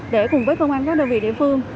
để cùng với công an các đơn vị địa phương